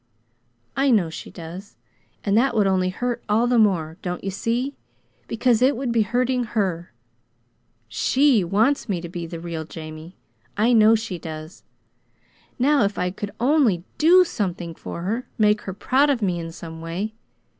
"I know she does and that would only hurt all the more don't you see? because it would be hurting her. SHE wants me to be the real Jamie. I know she does. Now if I could only DO something for her make her proud of me in some way!